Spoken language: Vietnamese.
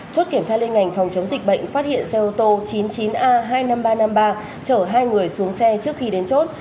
chốt kiểm tra liên ngành phòng chống dịch bệnh phát hiện xe ô tô chín mươi chín a hai mươi năm nghìn ba trăm năm mươi ba chở hai người xuống xe trước khi đến chốt